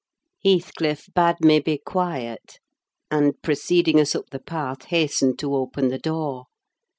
Heathcliff bade me be quiet; and, preceding us up the path, hastened to open the door.